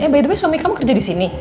eh by the way suami kamu kerja di sini